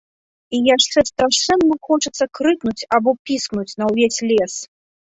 І яшчэ страшэнна хочацца крыкнуць або піскнуць на ўвесь лес.